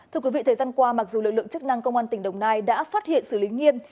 thưa quý vị thời gian qua mặc dù lực lượng chức năng công an tỉnh đồng nai đã phát hiện xử lý nghiêm